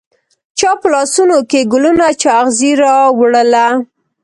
چا په لاسونوکې ګلونه، چااغزي راوړله